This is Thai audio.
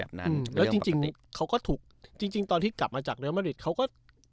อืมแล้วจริงจริงเขาก็ถูกจริงจริงตอนที่กลับมาจากเรลมาริดเขาก็